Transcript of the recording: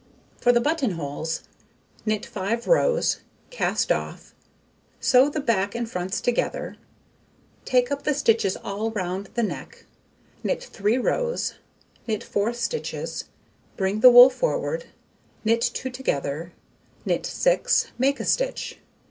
For the button holes, knit 5 rows, cast off, sew the back and fronts together, take up the stitches all round the neck, knit 3 rows, knit 4 stitches, bring the wool forward, knit 2 together, knit 6, make a stitch.